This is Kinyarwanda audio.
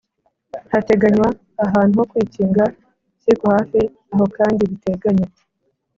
hateganywa ahantu ho kwikinga cy’ikohafi aho kandi biteganye